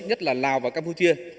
nhất là lào và campuchia